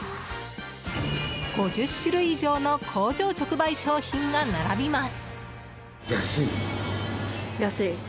５０種類以上の工場直売商品が並びます。